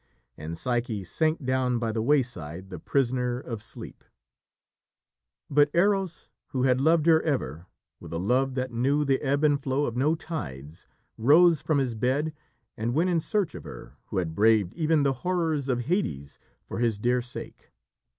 And Psyche sank down by the wayside, the prisoner of Sleep. But Eros, who had loved her ever, with a love that knew the ebb and flow of no tides, rose from his bed and went in search of her who had braved even the horrors of Hades for his dear sake.